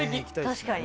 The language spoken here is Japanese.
確かに。